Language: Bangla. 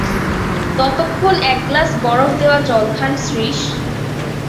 ততক্ষণ এক গ্লাস বরফ-দেওয়া জল খান– শ্রীশ।